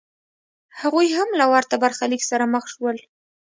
هغوی هم له ورته برخلیک سره مخ شول.